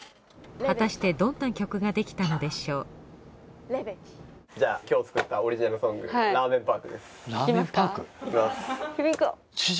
果たしてどんな曲ができたのでしょういきますか？